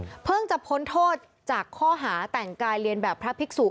เพิ่งจะพ้นโทษจากข้อหาแต่งกายเรียนแบบพระภิกษุ